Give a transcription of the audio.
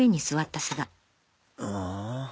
ああ？